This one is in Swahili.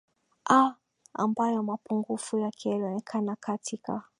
aaa ambayo mapungufu yake yalionekana katika